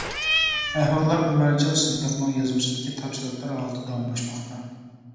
ئەھۋاللار ئۆمەرجان سىدىقنىڭ يازمىسىدىكى تەپسىلاتلار ھالىتىدە داۋاملاشماقتا.